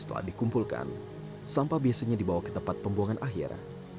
setelah dikumpulkan sampah biasanya dibawa ke tempat pembuangan akhir